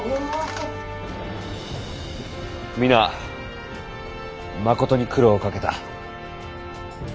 皆まことに苦労をかけた。